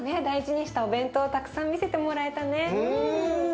大事にしたお弁当をたくさん見せてもらえたね。